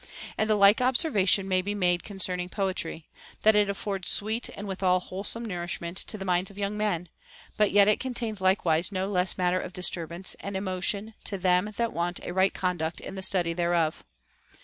And the like observation may be made concerning poetry, that it affords sweet and withal wholesome nourishment to the minds of young men, but yet it contains likewise no less matter of disturbance and emotion to them that want a right conduct in the study thereof.